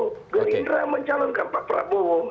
gerindra mencalon ke pak prabowo